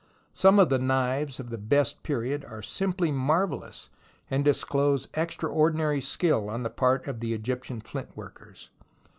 Some of the knives of the best period are simply marvellous and disclose extraordinary skill on the part of the Egyptian flint workers.